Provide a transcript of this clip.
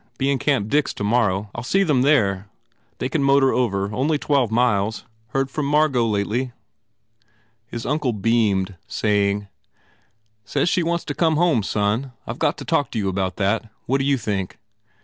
Be in Camp Dix tomorrow. I ll see them there. They can motor over. Only twelve miles. Heard from Margot lately?" His uncle beamed saying, "Says she wants to come home, son. I ve got to talk to you about that. Whatd you think?"